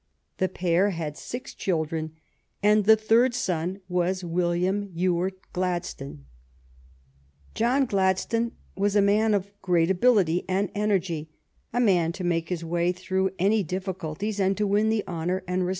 The pair had six children, and the third son was William Ewart Glad stone. John Gladstone was j a man of great ability and en ergy — a man make his way through any difficulties and to win the honor and re Mi; >;i iiisi'.